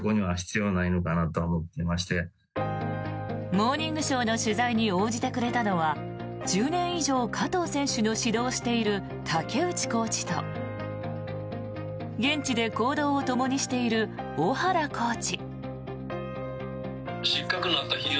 「モーニングショー」の取材に応じてくれたのは１０年以上加藤選手の指導をしている竹内コーチと現地で行動をともにしている小原コーチ。